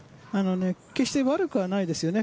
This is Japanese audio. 決して悪くはないですよね。